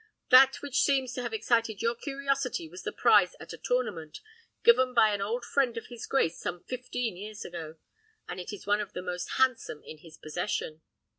That which seems to have excited your curiosity was the prize at a tournament, given by an old friend of his grace some fifteen years ago, and it is one of the most handsome in his possession."